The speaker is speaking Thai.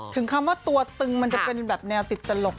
ถึงคำว่าตัวตึงมันจะเป็นแนวที่ติดตลก